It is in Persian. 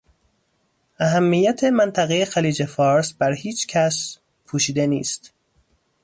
اهمیت منطقهٔ خلیج فارس بر هیچ کس پوشیده نیست.